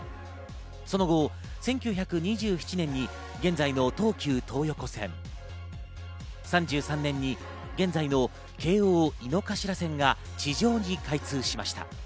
その後１９２７年に現在の東急東横線、３３年に現在の京王井の頭線が地上に開通しました。